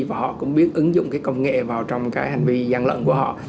và họ cũng biết ứng dụng cái công nghệ vào trong cái hành vi gian lận của họ